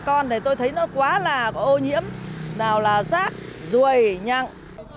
bà con này tôi thấy nó quá là có ô nhiễm nào là rác rùi nhặng